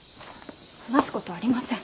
話す事はありません。